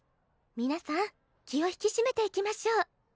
皆さん気を引き締めていきましょう。